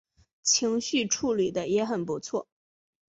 情绪处理的也很不错